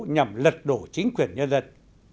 nhằm lật đổ chính quyền nhân dân